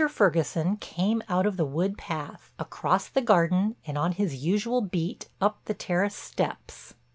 Ferguson came out of the wood path, across the garden and on his usual beat, up the terrace steps.